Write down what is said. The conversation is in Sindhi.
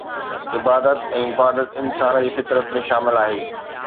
عبادت ۽ عبادت انسان جي فطرت ۾ شامل آهي